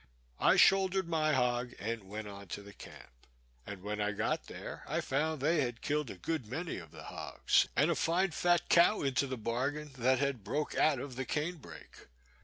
I shouldered my hog, and went on to the camp; and when I got there I found they had killed a good many of the hogs, and a fine fat cow into the bargain, that had broke out of the cane brake.